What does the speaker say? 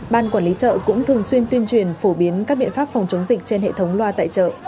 ban quản lý chợ cũng thường xuyên tuyên truyền phổ biến các biện pháp phòng chống dịch trên hệ thống loa tại chợ